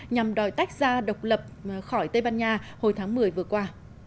nhằm đòi tách ra độc lập khỏi tây ban nha hồi tháng một mươi vừa qua